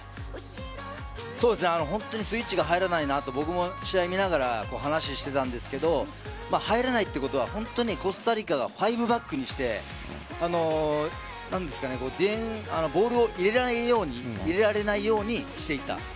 スイッチが入らないなと僕も試合を見ながら話をしていたんですが入らないということは本当にコスタリカが５バックにしてボールを入れられないようにしていた。